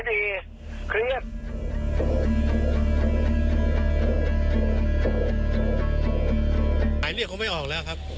มันใช้ต้นข้วนใช่ไหมเพราะมันมีอยู่ตรงที่รัฐตรงเอาจังที่พัก